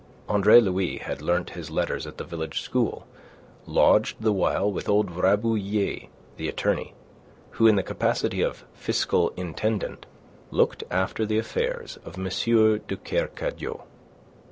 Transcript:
Andre Louis had learnt his letters at the village school, lodged the while with old Rabouillet, the attorney, who in the capacity of fiscal intendant, looked after the affairs of M. de Kercadiou.